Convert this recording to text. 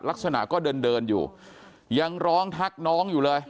ลักษณะก็เดินเดินอยู่ยังร้องทักน้องอยู่เลย